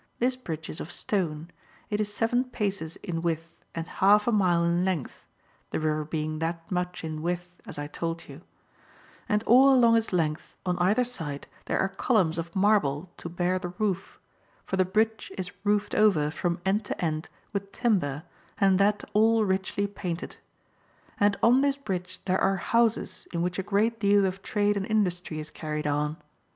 This bridge is of stone ; it is seven paces in width and half a mile in length (the river being that much in width as I told you) ; and all along its length on either side there are columns of marble to bear the roof, for the bridge is roofed over from end to end with timber, and that all richly painted. And on this bridge there are houses in which a great deal of trade and industry is carried on.